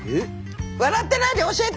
笑ってないで教えて！